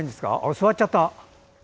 座っちゃった。